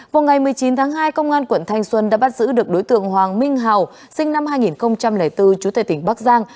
vào ngày một mươi chín tháng hai công an quận thanh xuân đã bắt giữ được đối tượng hoàng minh hào sinh năm hai nghìn bốn chú tệ tỉnh bắc giang